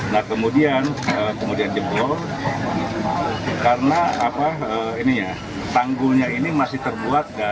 nah kemudian jebol karena tanggulnya ini masih terbuat